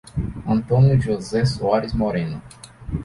Antônio José Soares Moreno